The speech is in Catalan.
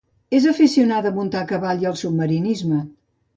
És aficionada a muntar a cavall i al submarinisme.